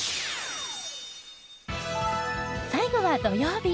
最後は土曜日。